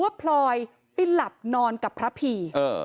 พลอยไปหลับนอนกับพระพี